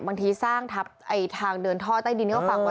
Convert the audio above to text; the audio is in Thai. บางทีสร้างทางเดินท่อใต้ดินก็ฟังว่า